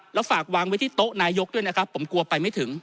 แล้วฝากวางไว้ที่โต๊ะนายกด้วยนะครับผมกลัวไปไม่ถึง